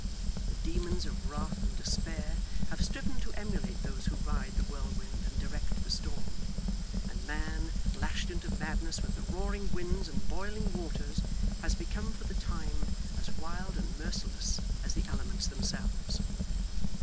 The demons of wrath and despair have striven to emulate those who ride the whirlwind and direct the storm; and man, lashed into madness with the roaring winds and boiling waters, has become for the time as wild and merciless as the elements themselves.